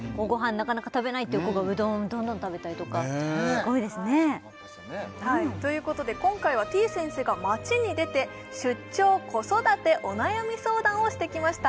なかなか食べないっていう子がうどんどんどん食べたりとかすごいですねということで今回はてぃ先生が街に出て出張子育てお悩み相談をしてきました